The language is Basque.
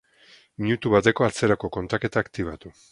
Minutu bateko atzerako kontaketa aktibatu